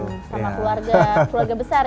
sama keluarga keluarga besar